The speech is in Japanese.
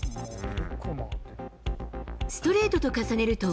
ストレートと重ねると。